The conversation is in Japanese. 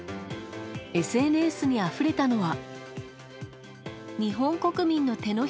ＳＮＳにあふれたのは。